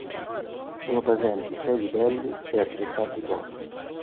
Sono presenti sei livelli e altrettanti boss.